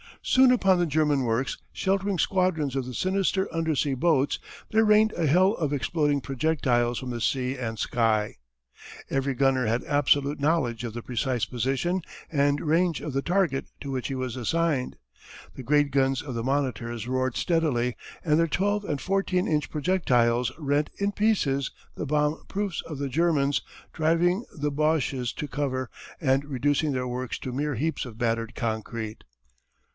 Soon upon the German works, sheltering squadrons of the sinister undersea boats, there rained a hell of exploding projectiles from sea and sky. Every gunner had absolute knowledge of the precise position and range of the target to which he was assigned. The great guns of the monitors roared steadily and their twelve and fourteen inch projectiles rent in pieces the bomb proofs of the Germans, driving the Boches to cover and reducing their works to mere heaps of battered concrete.